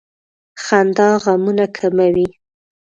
• خندا غمونه کموي.